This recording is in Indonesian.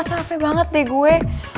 sampai banget deh gue